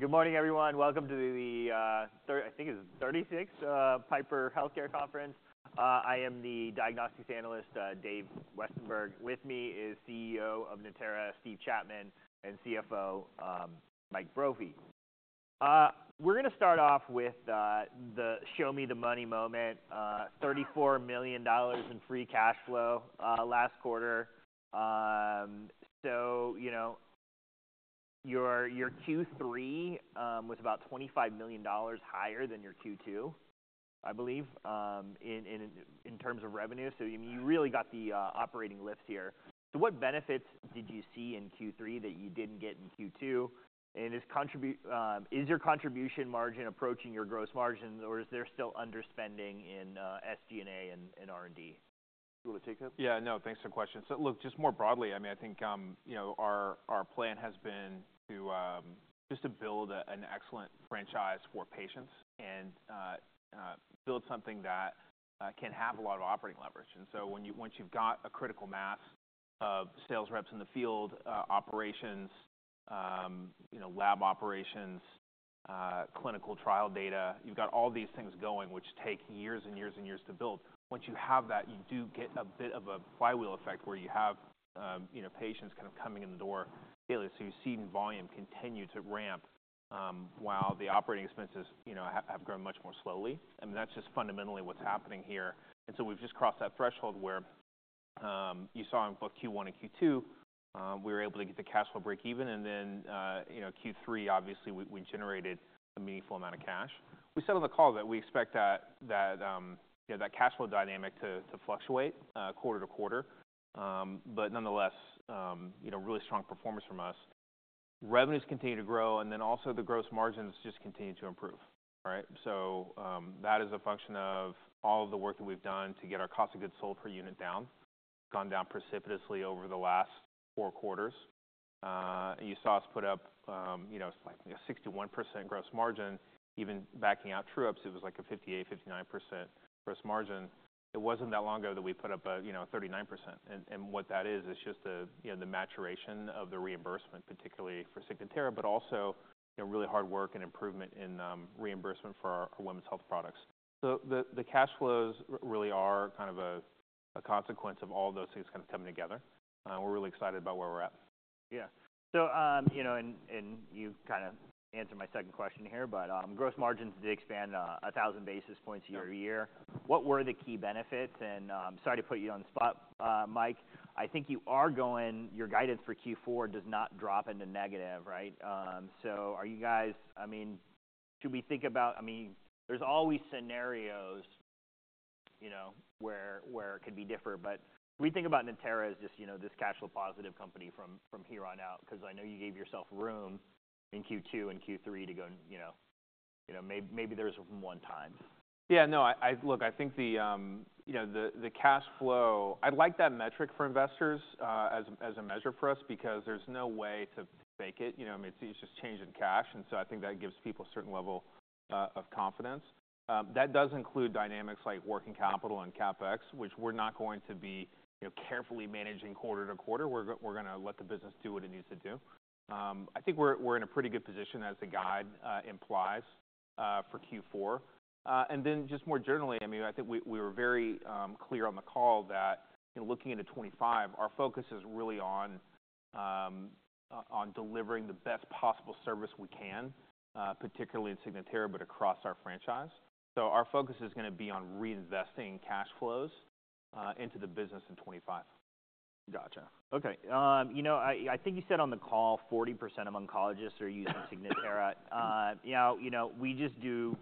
Good morning, everyone. Welcome to the, I think it's the 36th, Piper Healthcare Conference. I am the diagnostics analyst, Dave Westenberg. With me is CEO of Natera, Steve Chapman, and CFO, Mike Brophy. We're gonna start off with, the show me the money moment. $34 million in free cash flow, last quarter. So, you know, your Q3, was about $25 million higher than your Q2, I believe, in terms of revenue. So, I mean, you really got the, operating lifts here. So what benefits did you see in Q3 that you didn't get in Q2? And is contribution margin approaching your gross margin, or is there still underspending in, SG&A and R&D? Do you wanna take that? Yeah, no, thanks for the question. So, look, just more broadly, I mean, I think, you know, our plan has been to just to build an excellent franchise for patients and build something that can have a lot of operating leverage. And so when you, once you've got a critical mass of sales reps in the field, operations, you know, lab operations, clinical trial data, you've got all these things going which take years and years and years to build. Once you have that, you do get a bit of a flywheel effect where you have, you know, patients kind of coming in the door daily. So you see volume continue to ramp, while the operating expenses, you know, have grown much more slowly. I mean, that's just fundamentally what's happening here. And so we've just crossed that threshold where you saw in both Q1 and Q2 we were able to get the cash flow break-even. And then you know Q3 obviously we generated a meaningful amount of cash. We said on the call that we expect that you know that cash flow dynamic to fluctuate quarter to quarter, but nonetheless you know really strong performance from us. Revenues continue to grow, and then also the gross margins just continue to improve, right? So that is a function of all of the work that we've done to get our cost of goods sold per unit down. It's gone down precipitously over the last four quarters. You saw us put up you know it's like a 61% gross margin. Even backing out true-ups, it was like a 58%-59% gross margin. It wasn't that long ago that we put up a, you know, a 39%. And what that is is just the, you know, the maturation of the reimbursement, particularly for Signatera, but also, you know, really hard work and improvement in reimbursement for our women's health products. So the cash flows really are kind of a consequence of all those things kind of coming together. We're really excited about where we're at. Yeah. So, you know, and you kinda answered my second question here, but gross margins did expand 1,000 basis points year-over-year. What were the key benefits? And, sorry to put you on the spot, Mike. I think you are going—your guidance for Q4 does not drop into negative, right? So are you guys—I mean, should we think about—I mean, there's always scenarios, you know, where it could be different, but should we think about Natera as just, you know, this cash flow positive company from here on out? 'Cause I know you gave yourself room in Q2 and Q3 to go and, you know, maybe there's one time. Yeah, no, I look. I think you know the cash flow - I like that metric for investors, as a measure for us because there's no way to fake it. You know, I mean, it's just changing cash, and so I think that gives people a certain level of confidence. That does include dynamics like working capital and CapEx, which we're not going to be, you know, carefully managing quarter to quarter. We're gonna let the business do what it needs to do. I think we're in a pretty good position as the guide implies for Q4. And then just more generally, I mean, I think we were very clear on the call that, you know, looking into 2025, our focus is really on delivering the best possible service we can, particularly in Signatera but across our franchise. So our focus is gonna be on reinvesting cash flows into the business in 2025. Gotcha. Okay. You know, I think you said on the call 40% of oncologists are using Signatera. Now, you know, we just do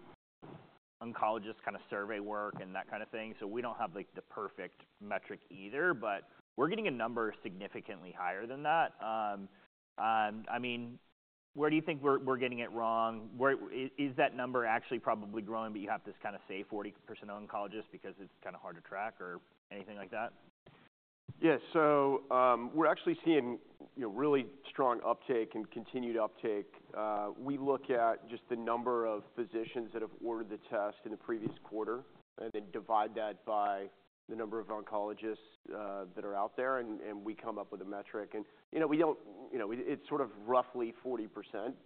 oncologist kinda survey work and that kinda thing, so we don't have, like, the perfect metric either, but we're getting a number significantly higher than that. I mean, where do you think we're getting it wrong? Where is that number actually probably growing, but you have this kinda say 40% oncologist because it's kinda hard to track or anything like that? Yeah, so, we're actually seeing, you know, really strong uptake and continued uptake. We look at just the number of physicians that have ordered the test in the previous quarter and then divide that by the number of oncologists that are out there, and we come up with a metric. And, you know, we don't, you know, it's sort of roughly 40%,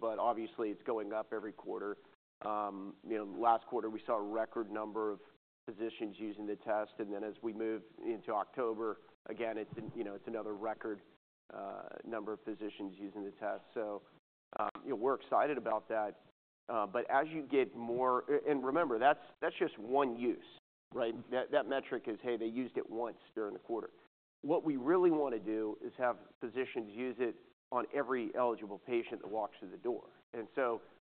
but obviously, it's going up every quarter. You know, last quarter, we saw a record number of physicians using the test. And then as we move into October, again, it's another record number of physicians using the test. So, you know, we're excited about that, but as you get more, and remember, that's just one use, right? That metric is, hey, they used it once during the quarter. What we really wanna do is have physicians use it on every eligible patient that walks through the door.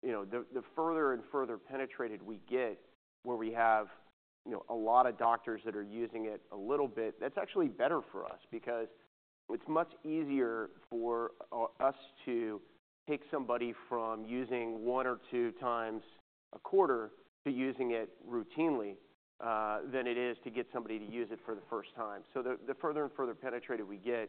You know, the further and further penetrated we get where we have, you know, a lot of doctors that are using it a little bit, that's actually better for us because it's much easier for us to take somebody from using one or 2x a quarter to using it routinely, than it is to get somebody to use it for the first time. The further and further penetrated we get,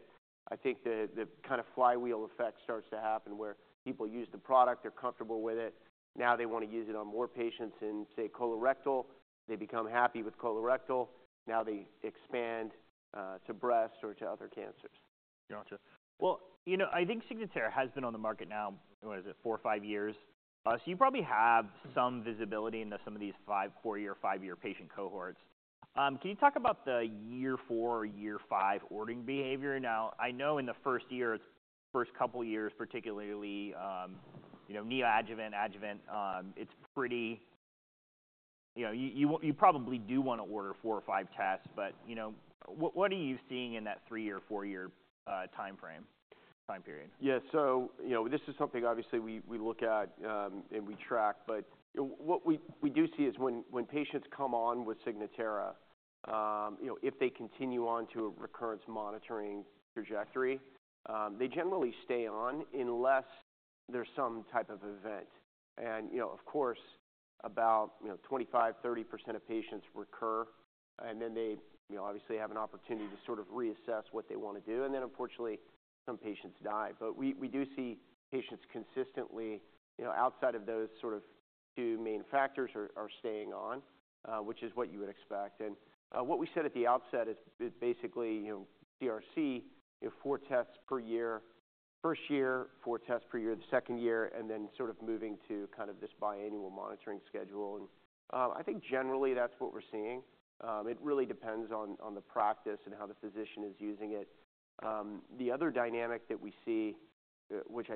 I think the kinda flywheel effect starts to happen where people use the product, they're comfortable with it. Now they wanna use it on more patients in, say, colorectal. They become happy with colorectal. Now they expand to breast or to other cancers. Gotcha. Well, you know, I think Signatera has been on the market now, what is it, four or five years. So you probably have some visibility into some of these five quarter-year, five-year patient cohorts. Can you talk about the year four or year five ordering behavior? Now, I know in the first year, it's the first couple years, particularly, you know, neoadjuvant, adjuvant, it's pretty, you know, you probably do wanna order four or five tests, but, you know, what are you seeing in that three-year, four-year timeframe, time period? Yeah, so, you know, this is something obviously we look at, and we track, but, you know, what we do see is when patients come on with Signatera, you know, if they continue on to a recurrence monitoring trajectory, they generally stay on unless there's some type of event. And, you know, of course, about, you know, 25%-30% of patients recur, and then they, you know, obviously have an opportunity to sort of reassess what they wanna do. And then, unfortunately, some patients die. But we do see patients consistently, you know, outside of those sort of two main factors are staying on, which is what you would expect. What we said at the outset is basically, you know, CRC, you know, four tests per year, first year, four tests per year, the second year, and then sort of moving to kind of this biannual monitoring schedule. I think generally that's what we're seeing. It really depends on the practice and how the physician is using it. The other dynamic that we see, which,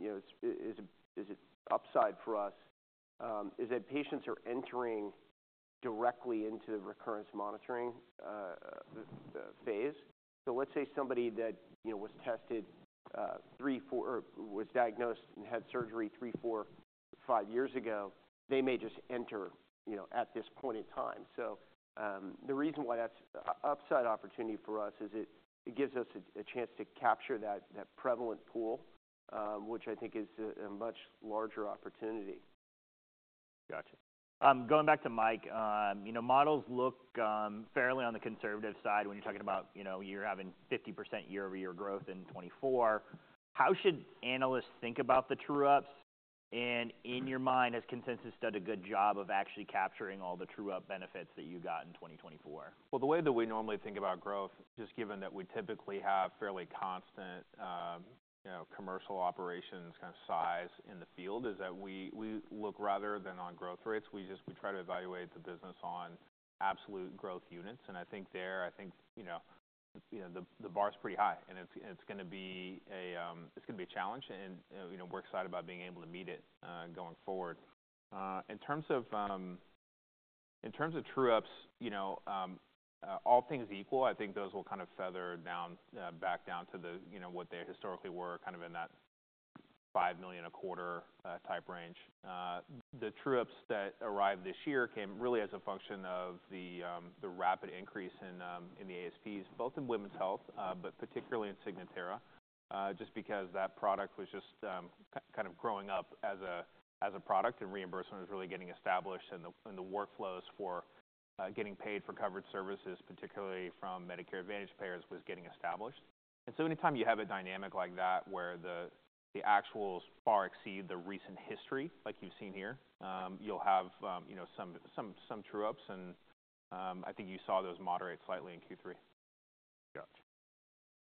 you know, is an upside for us, is that patients are entering directly into the recurrence monitoring phase. Let's say somebody that, you know, was diagnosed and had surgery three, four, five years ago, they may just enter, you know, at this point in time. The reason why that's an upside opportunity for us is it gives us a chance to capture that prevalent pool, which I think is a much larger opportunity. Gotcha. Going back to Mike, you know, models look fairly on the conservative side when you're talking about, you know, you're having 50% year-over-year growth in 2024. How should analysts think about the true-ups? And in your mind, has consensus done a good job of actually capturing all the true-up benefits that you got in 2024? The way that we normally think about growth, just given that we typically have fairly constant, you know, commercial operations kind of size in the field, is that we look rather than on growth rates. We just try to evaluate the business on absolute growth units. And I think, you know, the bar's pretty high, and it's gonna be a challenge, and, you know, we're excited about being able to meet it, going forward. In terms of true-ups, you know, all things equal, I think those will kind of feather down, back down to the, you know, what they historically were kind of in that $5 million a quarter, type range. The true-ups that arrived this year came really as a function of the rapid increase in the ASPs, both in women's health, but particularly in Signatera, just because that product was just kind of growing up as a product, and reimbursement was really getting established, and the workflows for getting paid for covered services, particularly from Medicare Advantage payers, was getting established, and so anytime you have a dynamic like that where the actuals far exceed the recent history like you've seen here, you'll have, you know, some true-ups, and I think you saw those moderate slightly in Q3. Gotcha.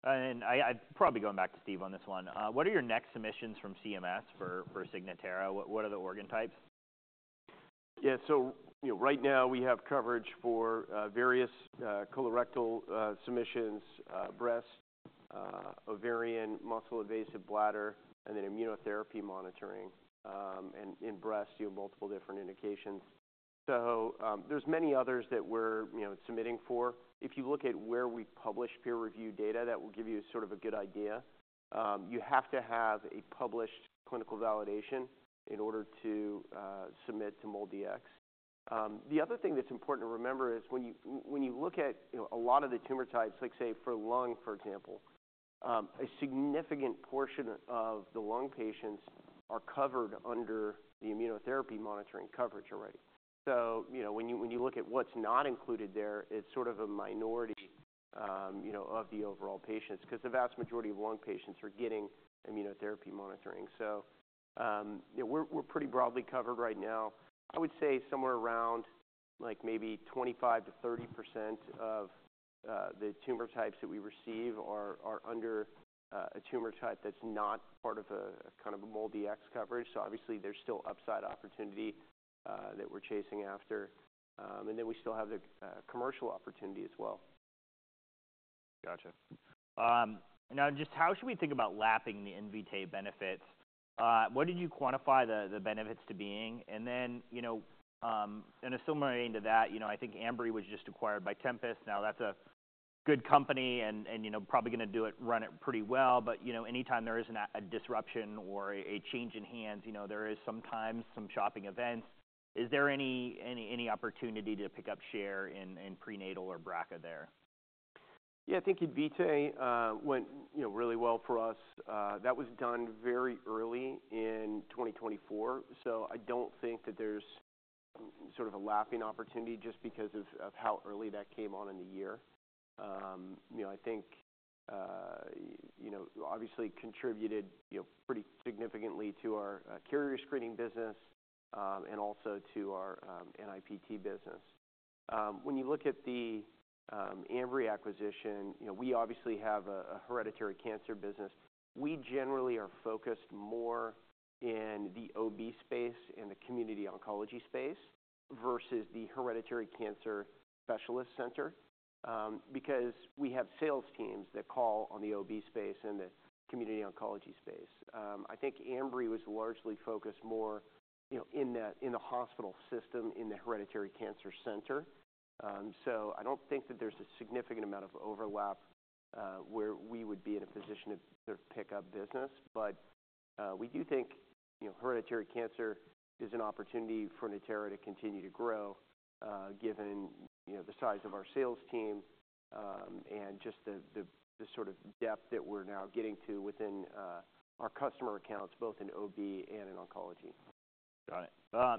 And I probably going back to Steve on this one. What are your next submissions from CMS for Signatera? What are the organ types? Yeah, so, you know, right now we have coverage for various colorectal submissions, breast, ovarian, muscle-invasive bladder, and then immunotherapy monitoring, and in breast, you know, multiple different indications. So, there's many others that we're, you know, submitting for. If you look at where we publish peer-reviewed data, that will give you sort of a good idea. You have to have a published clinical validation in order to submit to MolDX. The other thing that's important to remember is when you, when you look at, you know, a lot of the tumor types, like, say, for lung, for example, a significant portion of the lung patients are covered under the immunotherapy monitoring coverage already. So, you know, when you, when you look at what's not included there, it's sort of a minority, you know, of the overall patients 'cause the vast majority of lung patients are getting immunotherapy monitoring. You know, we're pretty broadly covered right now. I would say somewhere around, like, maybe 25%-30% of the tumor types that we receive are under a tumor type that's not part of a kind of a MolDX coverage. Obviously, there's still upside opportunity that we're chasing after. And then we still have the commercial opportunity as well. Gotcha. Now just how should we think about lapping the Invitae benefits? What did you quantify the benefits to being? And then, you know, and assimilating to that, you know, I think Ambry was just acquired by Tempus. Now, that's a good company and, you know, probably gonna do it, run it pretty well. But, you know, anytime there is a disruption or a change in hands, you know, there is sometimes some choppy events. Is there any opportunity to pick up share in prenatal or BRCA there? Yeah, I think Invitae went, you know, really well for us. That was done very early in 2024. So I don't think that there's sort of a lapping opportunity just because of how early that came on in the year. You know, I think, you know, obviously contributed, you know, pretty significantly to our carrier screening business, and also to our NIPT business. When you look at the Ambry acquisition, you know, we obviously have a hereditary cancer business. We generally are focused more in the OB space and the community oncology space versus the hereditary cancer specialist center, because we have sales teams that call on the OB space and the community oncology space. I think Ambry was largely focused more, you know, in the hospital system in the hereditary cancer center. So I don't think that there's a significant amount of overlap, where we would be in a position to sort of pick up business. But we do think, you know, hereditary cancer is an opportunity for Natera to continue to grow, given, you know, the size of our sales team, and just the sort of depth that we're now getting to within our customer accounts, both in OB and in oncology. Got it.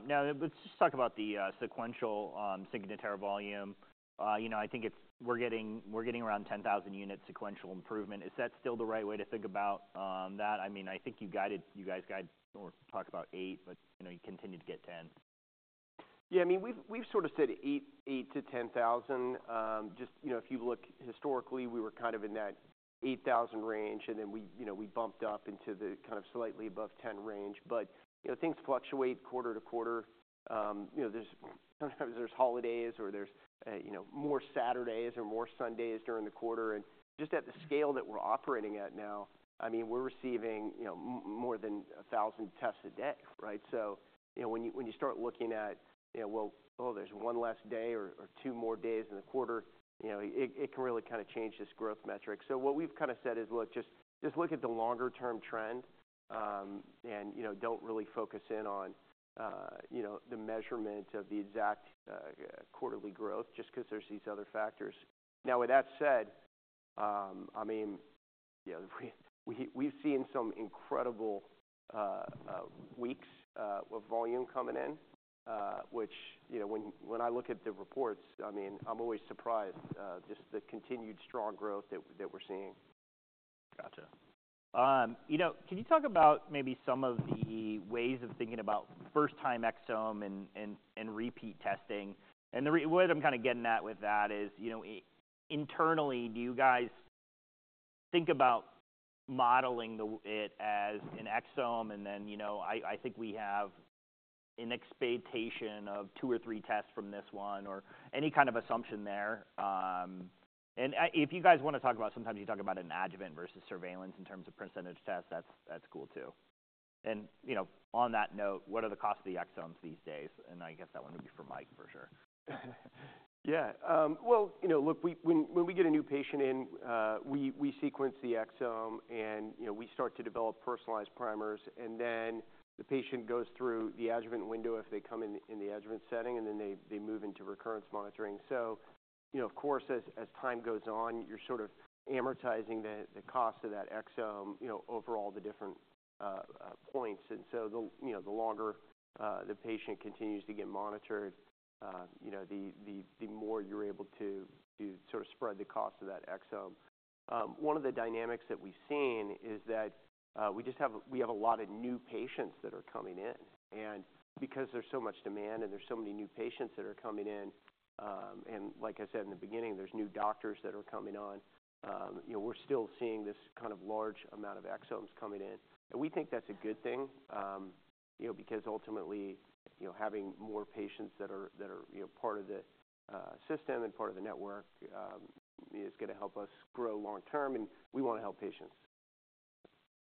Now let's just talk about the sequential Signatera volume. You know, I think it's we're getting around 10,000 units sequential improvement. Is that still the right way to think about that? I mean, I think you guys guided or talked about eight, but you know, you continued to get 10. Yeah, I mean, we've sort of said 8,000-10,000. Just, you know, if you look historically, we were kind of in that 8,000 range, and then we, you know, we bumped up into the kind of slightly above 10,000 range. But, you know, things fluctuate quarter-to-quarter. You know, sometimes there's holidays or there's, you know, more Saturdays or more Sundays during the quarter. And just at the scale that we're operating at now, I mean, we're receiving, you know, more than 1,000 tests a day, right? So, you know, when you, when you start looking at, you know, well, oh, there's one less day or two more days in the quarter, you know, it can really kinda change this growth metric. So what we've kinda said is, look, just look at the longer-term trend, and, you know, don't really focus in on, you know, the measurement of the exact, quarterly growth just 'cause there's these other factors. Now, with that said, I mean, you know, we've seen some incredible weeks of volume coming in, which, you know, when I look at the reports, I mean, I'm always surprised, just the continued strong growth that we're seeing. Gotcha. You know, can you talk about maybe some of the ways of thinking about first-time exome and repeat testing? And there, what I'm kinda getting at with that is, you know, internally, do you guys think about modeling it as an exome and then, you know, I think we have an expectation of two or three tests from this one or any kind of assumption there? And if you guys wanna talk about sometimes you talk about an adjuvant versus surveillance in terms of percentage tests, that's cool too. And you know, on that note, what are the costs of the exomes these days? And I guess that one would be for Mike for sure. Yeah. Well, you know, look, we, when we get a new patient in, we sequence the exome and, you know, we start to develop personalized primers, and then the patient goes through the adjuvant window if they come in, in the adjuvant setting, and then they move into recurrence monitoring. So, you know, of course, as time goes on, you're sort of amortizing the cost of that exome, you know, over all the different points. And so, you know, the longer the patient continues to get monitored, you know, the more you're able to sort of spread the cost of that exome. One of the dynamics that we've seen is that we have a lot of new patients that are coming in. Because there's so much demand and there's so many new patients that are coming in, and like I said in the beginning, there's new doctors that are coming on, you know, we're still seeing this kind of large amount of exomes coming in. And we think that's a good thing, you know, because ultimately, you know, having more patients that are, that are, you know, part of the, system and part of the network, is gonna help us grow long-term, and we wanna help patients.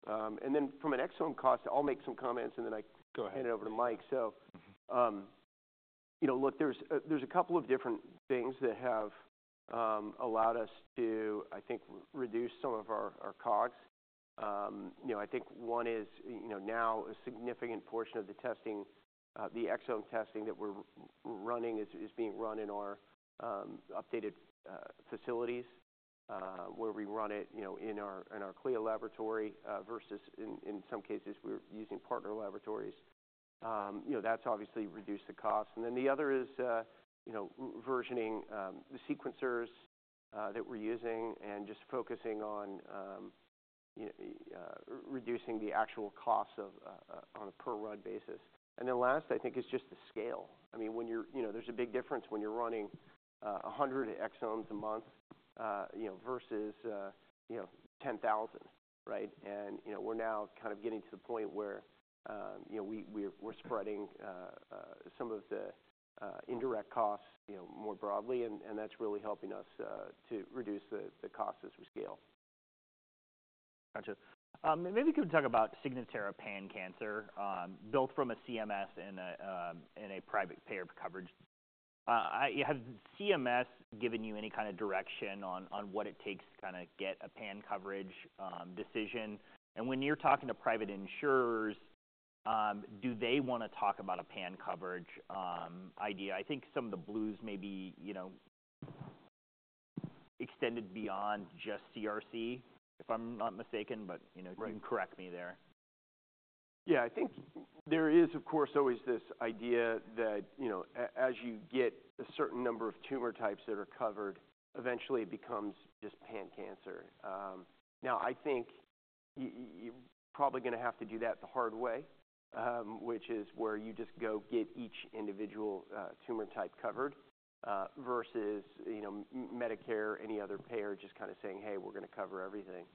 Then from an exome cost, I'll make some comments, and then I hand it over to Mike. Go ahead. So, you know, look, there's a couple of different things that have allowed us to, I think, reduce some of our costs. You know, I think one is, you know, now a significant portion of the testing, the exome testing that we're running is being run in our updated facilities, where we run it, you know, in our CLIA laboratory, versus in some cases, we're using partner laboratories. You know, that's obviously reduced the cost. And then the other is, you know, versioning the sequencers that we're using and just focusing on, you know, reducing the actual cost of on a per-run basis. And then last, I think, is just the scale. I mean, when you're, you know, there's a big difference when you're running 100 exomes a month, you know, versus 10,000, right? You know, we're now kind of getting to the point where, you know, we're spreading some of the indirect costs, you know, more broadly, and that's really helping us to reduce the cost as we scale. Gotcha. Maybe could we talk about Signatera pan-cancer, built from CMS and private payer coverage? Has CMS given you any kind of direction on what it takes to kinda get a pan-cancer coverage decision? And when you're talking to private insurers, do they wanna talk about a pan-cancer coverage idea? I think some of the Blues may be, you know, extended beyond just CRC, if I'm not mistaken, but, you know, you can correct me there. Yeah, I think there is, of course, always this idea that, you know, as you get a certain number of tumor types that are covered, eventually it becomes just pan-cancer. Now, I think you're probably gonna have to do that the hard way, which is where you just go get each individual tumor type covered, versus, you know, Medicare, any other payer, just kinda saying, "Hey, we're gonna cover everything."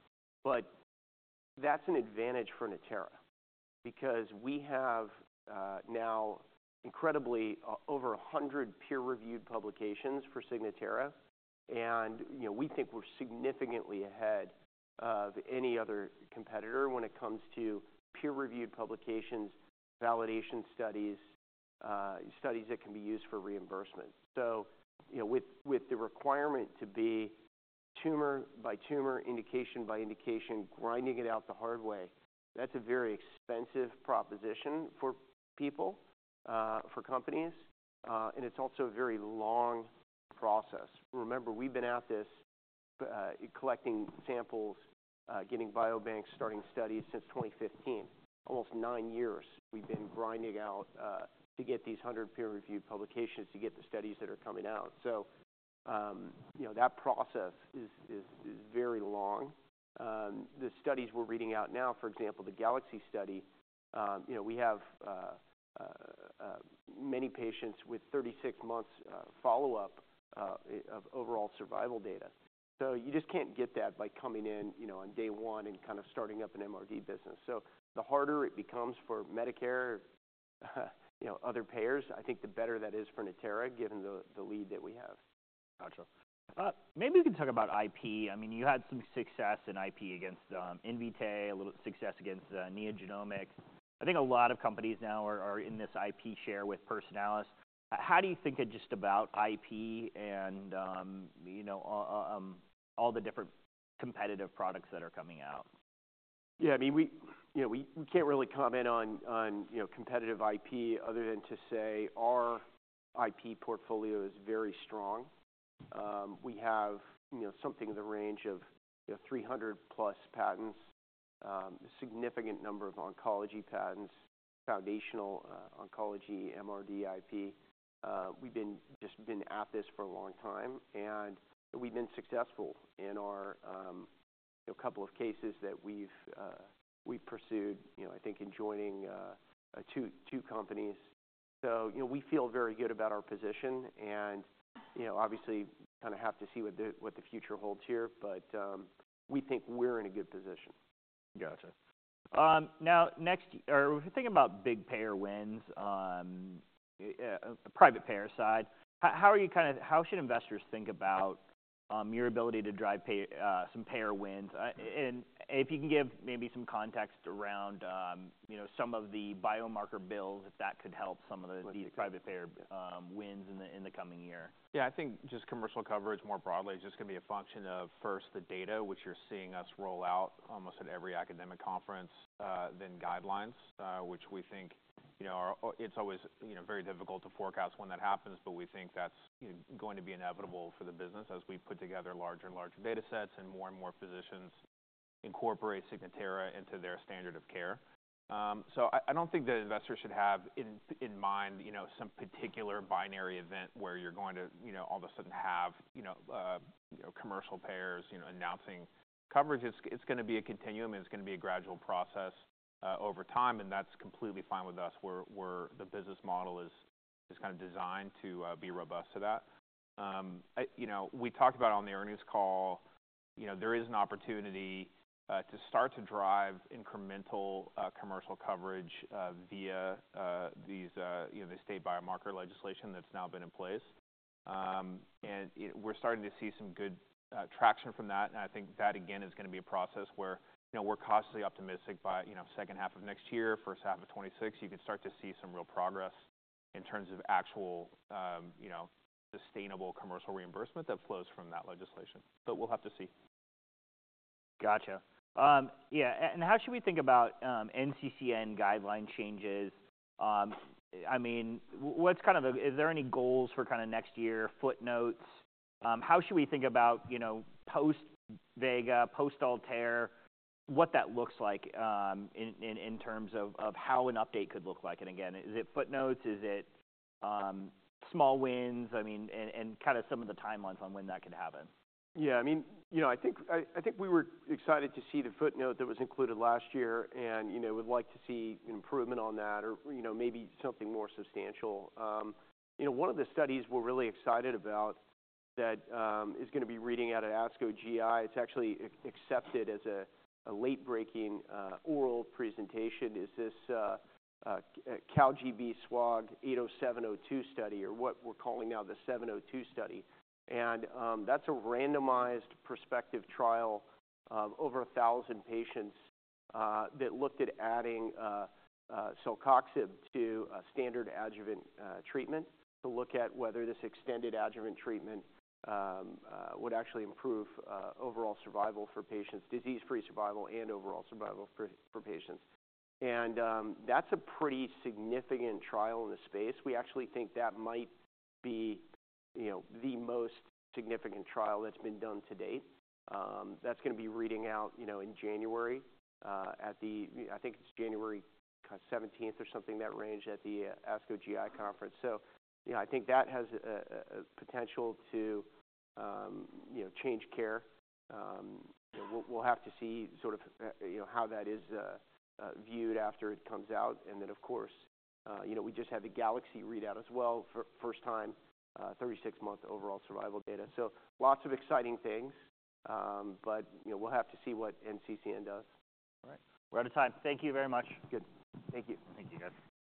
But that's an advantage for Natera because we have, now incredibly, over 100 peer-reviewed publications for Signatera, and, you know, we think we're significantly ahead of any other competitor when it comes to peer-reviewed publications, validation studies, studies that can be used for reimbursement. So, you know, with the requirement to be tumor by tumor, indication by indication, grinding it out the hard way, that's a very expensive proposition for people, for companies, and it's also a very long process. Remember, we've been at this, collecting samples, getting biobanks, starting studies since 2015. Almost nine years we've been grinding out, to get these 100 peer-reviewed publications to get the studies that are coming out. So, you know, that process is very long. The studies we're reading out now, for example, the GALAXY study, you know, we have many patients with 36 months follow-up of overall survival data. So you just can't get that by coming in, you know, on day one and kinda starting up an MRD business. The harder it becomes for Medicare, you know, other payers, I think the better that is for Natera given the lead that we have. Gotcha. Maybe we can talk about IP. I mean, you had some success in IP against Invitae, a little success against NeoGenomics. I think a lot of companies now are in this IP share with Personalis. How do you think it just about IP and, you know, all the different competitive products that are coming out? Yeah, I mean, you know, we can't really comment on you know, competitive IP other than to say our IP portfolio is very strong. We have, you know, something in the range of, you know, 300-plus patents, a significant number of oncology patents, foundational oncology MRD IP. We've just been at this for a long time, and we've been successful in our, you know, couple of cases that we've pursued, you know, I think in enjoining two companies. So, you know, we feel very good about our position and, you know, obviously kinda have to see what the future holds here, but we think we're in a good position. Gotcha. Now next, or if we're thinking about big payer wins on the private payer side, how should investors think about your ability to drive some payer wins? And if you can give maybe some context around, you know, some of the biomarker bills, if that could help some of the private payer wins in the coming year. Yeah, I think just commercial coverage more broadly is just gonna be a function of first the data, which you're seeing us roll out almost at every academic conference, then guidelines, which we think, you know, are. It's always, you know, very difficult to forecast when that happens, but we think that's, you know, going to be inevitable for the business as we put together larger and larger data sets and more and more physicians incorporate Signatera into their standard of care. So I, I don't think that investors should have in their mind, you know, some particular binary event where you're going to, you know, all of a sudden have, you know, you know, commercial payers, you know, announcing coverage. It's gonna be a continuum, and it's gonna be a gradual process over time, and that's completely fine with us, where the business model is kinda designed to be robust to that. You know, we talked about on the earnings call, you know, there is an opportunity to start to drive incremental commercial coverage via these, you know, the state biomarker legislation that's now been in place. And, you know, we're starting to see some good traction from that, and I think that, again, is gonna be a process where, you know, we're cautiously optimistic by, you know, second half of next year, first half of 2026, you can start to see some real progress in terms of actual, you know, sustainable commercial reimbursement that flows from that legislation. But we'll have to see. Gotcha. Yeah. And how should we think about NCCN guideline changes? I mean, what's kind of, is there any goals for kind of next year, footnotes? How should we think about, you know, post-VEGA, post-ALTAIR, what that looks like, in terms of how an update could look like? And again, is it footnotes? Is it small wins? I mean, and kind of some of the timelines on when that could happen? Yeah, I mean, you know, I think we were excited to see the Footnote that was included last year and, you know, would like to see improvement on that or, you know, maybe something more substantial. You know, one of the studies we're really excited about that is gonna be reading out at ASCO GI. It's actually accepted as a late-breaking oral presentation. It's the CALGB/SWOG 80702 study or what we're calling now the 702 study. And that's a randomized prospective trial of over 1,000 patients that looked at adding celecoxib to a standard adjuvant treatment to look at whether this extended adjuvant treatment would actually improve overall survival for patients, disease-free survival and overall survival for patients. And that's a pretty significant trial in the space. We actually think that might be, you know, the most significant trial that's been done to date. That's gonna be reading out, you know, in January. At the, I think it's January 17th or something in that range at the ASCO GI conference. So, you know, I think that has a potential to, you know, change care. You know, we'll have to see sort of, you know, how that is viewed after it comes out. And then, of course, you know, we just had the GALAXY read out as well for first time, 36-month overall survival data. So lots of exciting things, but, you know, we'll have to see what NCCN does. All right. We're out of time. Thank you very much. Good. Thank you. Thank you, guys.